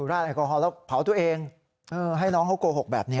ราดแอลกอฮอลแล้วเผาตัวเองให้น้องเขาโกหกแบบนี้